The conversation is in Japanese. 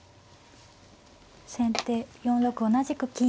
先手４六同じく金。